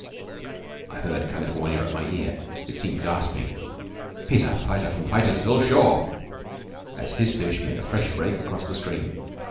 I heard California, at my ear, it seemed, gasping: "He's a fighter from Fightersville, sure!" as his fish made a fresh break across the stream.